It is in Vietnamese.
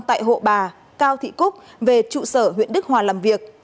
tại hộ bà cao thị cúc về trụ sở huyện đức hòa làm việc